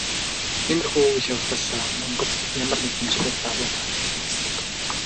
Иймэрхүү үйл явдал Монголд ямар нэгэн хэмжээгээр давуу тал авчирна гэсэн үг.